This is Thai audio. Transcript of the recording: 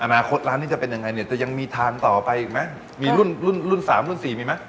อนาคตร้านนี้จะเป็นยังไงเนี่ยจะยังมีทางต่อไปอีกมั้ยมีรุ่น๓รุ่น๔มีมั้ย